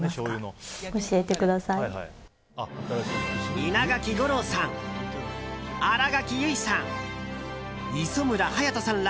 稲垣吾郎さん、新垣結衣さん磯村勇斗さんら